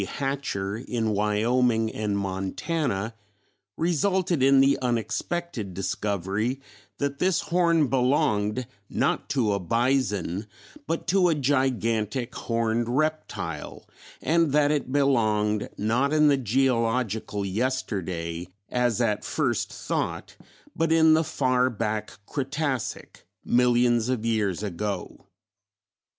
Hatcher in Wyoming and Montana resulted in the unexpected discovery that this horn belonged not to a bison but to a gigantic horned reptile, and that it belonged not in the geological yesterday as at first thought, but in the far back Cretacic, millions of years ago.